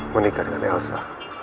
menikah dengan elsa